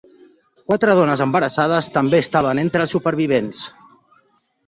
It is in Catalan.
Quatre dones embarassades també estaven entre els supervivents.